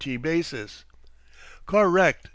T. basis." "Correct!"